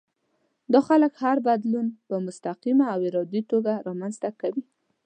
دا خلک هر بدلون په مستقيمه او ارادي توګه رامنځته کوي.